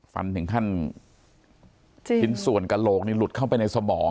ฟันถึงขั้นชิ้นส่วนกระโหลกนี่หลุดเข้าไปในสมอง